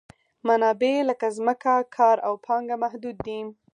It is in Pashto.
منابع لکه ځمکه، کار او پانګه محدود دي.